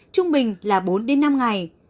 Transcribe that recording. trung bình là bốn đến năm ngày